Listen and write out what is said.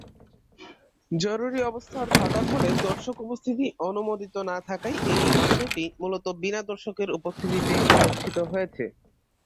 জরুরী অবস্থার থাকার ফলে দর্শক উপস্থিতি অনুমোদিত না থাকায় এই আসরটি মূলত বিনা দর্শকের উপস্থিতিতে অনুষ্ঠিত হয়েছে।